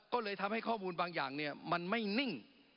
ก็เลยทำให้ข้อมูลบางอย่างเนี่ยมันไม่นิ่ง